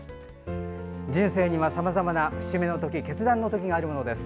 人生には、さまざまな節目の時決断の時があるものです。